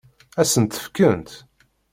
Ad sen-tt-fkent?